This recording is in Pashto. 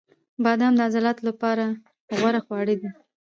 • بادام د عضلاتو لپاره غوره خواړه دي.